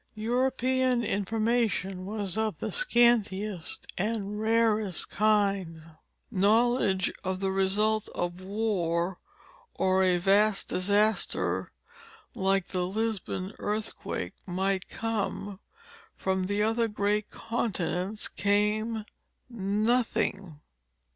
European information was of the scantiest and rarest kind; knowledge of the result of a war or a vast disaster, like the Lisbon earthquake, might come. From the other great continents came nothing.